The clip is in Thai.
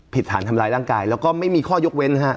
ผิดฐานทำร้ายร่างกายแล้วก็ไม่มีข้อยกเว้นฮะ